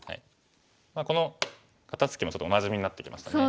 この肩ツキもちょっとおなじみになってきましたね。